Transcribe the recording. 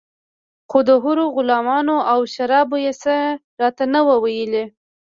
خو د حورو غلمانو او شرابو يې څه راته نه وو ويلي.